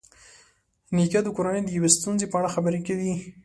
نیکه د کورنۍ د یوې ستونزې په اړه خبرې کوي.